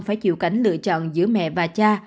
phải chịu cảnh lựa chọn giữa mẹ và cha